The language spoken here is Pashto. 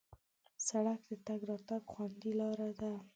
سړک د تګ راتګ خوندي لاره ده.